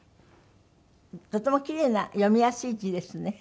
とてもキレイな読みやすい字ですね。